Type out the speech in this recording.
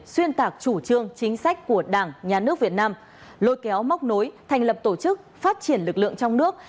xuyên tạc chủ trương chính sách của đảng nhà nước việt nam lôi kéo móc nối thành lập tổ chức phát triển lực lượng trong nước